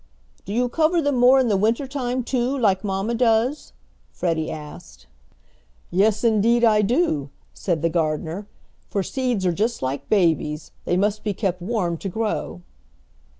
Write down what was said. "Do you cover them more in the winter time too, like mamma does?" Freddie asked. "Yes, indeed I do," said the gardener, "for seeds are just like babies, they must be kept warm to grow."